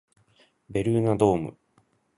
ベルーナドーム